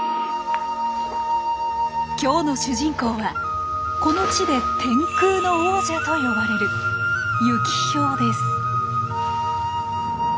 今日の主人公はこの地で「天空の王者」と呼ばれるユキヒョウです。